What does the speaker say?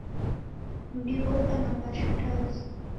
Mdi ghoko na mbashu ndazi.